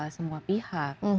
bagi semua pihak